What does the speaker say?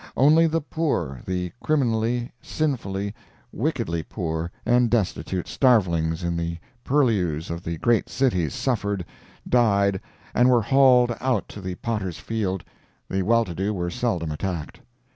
Only the poor, the criminally, sinfully, wickedly poor and destitute starvelings in the purlieus of the great cities suffered, died, and were hauled out to the Potter's field—the well to do were seldom attacked.